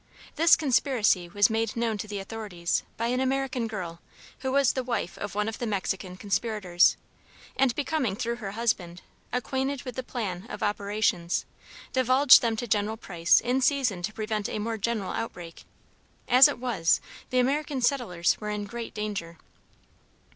This conspiracy was made known to the authorities by an American girl, who was the wife of one of the Mexican conspirators, and becoming, through her husband, acquainted with the plan of operations, divulged them to General Price in season to prevent a more general outbreak. As it was, the American settlers were in great danger.